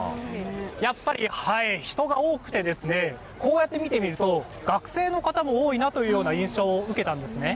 やっぱり人が多くてですね、こうやって見てみると、学生の方も多いなというような印象を受けたんですね。